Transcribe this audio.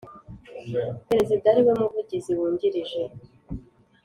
Perezida ari we muvugizi wungirije